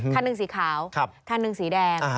ค่านึงสีขาวค่านึงสีแดง